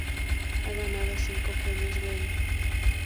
Ha ganado cinco Premio Grammy.